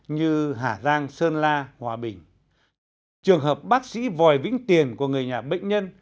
như hà giang sơn la hòa bình trường hợp bác sĩ vòi vĩnh tiền của người nhà bệnh nhân